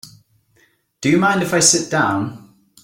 Do you mind if I sit down?